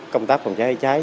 công tác phòng cháy cháy